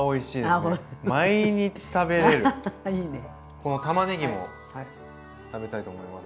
このたまねぎも食べたいと思います。